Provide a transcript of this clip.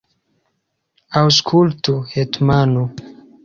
Aŭskultu, hetmano!